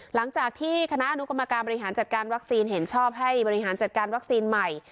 หลังจากที่คณะอนุกรรมการบริหารจัดการวัคซีนเห็นชอบให้บริหารจัดการวัคซีนใหม่